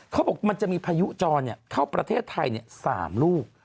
เขาบอกมันจะมีพายุจรเข้าประเทศไทย๓ลูก